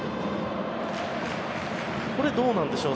これ、どうなんでしょう。